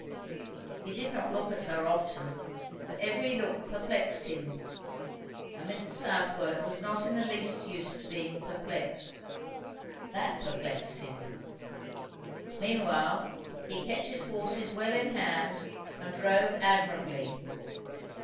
He did not look at her often, for every look perplexed him. And Mr. Southwode was not in the least used to being perplexed. That perplexed him. Meanwhile he kept his horses well in hand and drove admirably.